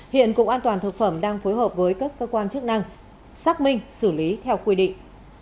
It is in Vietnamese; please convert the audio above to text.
hiện cục an toàn thực phẩm đang phối hợp với các cơ quan chức năng xác minh xử lý theo quy định